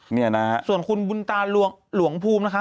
เนี่ยนะฮะส่วนคุณบุญตาหลวงภูมินะคะ